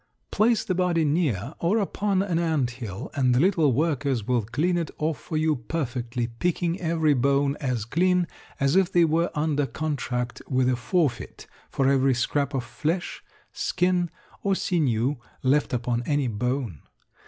Place the body near or upon an ant hill and the little workers will clean it off for you perfectly, picking every bone as clean as if they were under contract with a forfeit for every scrap of flesh, skin, or sinew left upon any bone.